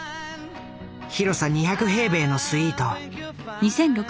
広さ２００平米のスイート。